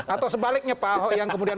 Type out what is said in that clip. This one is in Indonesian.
atau sebaliknya pak ahok yang kemudian